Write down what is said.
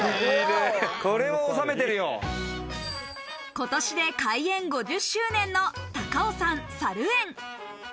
今年で開園５０周年の高尾山さる園。